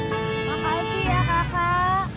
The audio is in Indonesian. terima kasih ya kakak